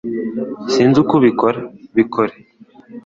Sinzi uko ubikora Bikore